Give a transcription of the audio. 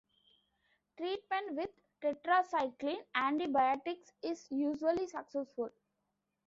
Treatment with tetracycline antibiotics is usually successful.